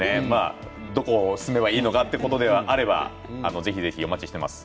どこを進めばいいのかというのであればぜひぜひお待ちしています。